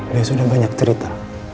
dia sudah banyak cerita